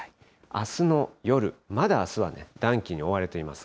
あすの夜、まだあすはね、暖気に覆われています。